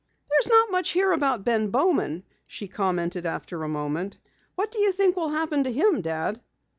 "There's not much here about Ben Bowman," she commented after a moment. "What do you think will happen to him, Dad?"